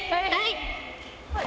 はい。